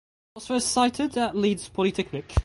It was first sited at Leeds Polytechnic.